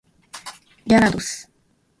ギャラドス